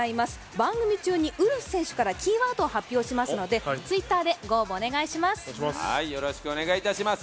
番組中にウルフ選手からキーワードを発表しますのでＴｗｉｔｔｅｒでご応募をお願いします。